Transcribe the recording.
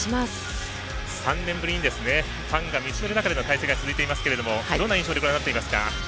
３年ぶりにファンが見つめる中での対戦が続いていますがどんな印象でご覧になっていますか？